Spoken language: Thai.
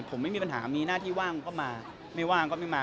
ผมไม่มีปัญหามีหน้าที่ว่างก็มาไม่ว่างก็ไม่มา